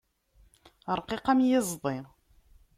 Ṛqiq am iẓḍi.